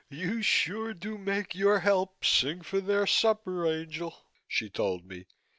"You sure do make your help sing for their supper, angel," she told me.